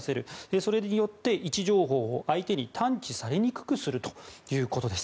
それによって位置情報を相手に探知されにくくするということです。